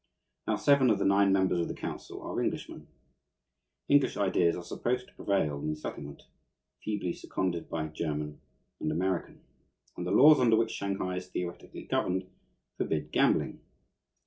Now seven of the nine members of the council are Englishmen. English ideas are supposed to prevail in the settlement, feebly seconded by German and American. And the laws under which Shanghai is theoretically governed forbid gambling.